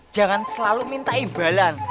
jangan selalu minta imbalan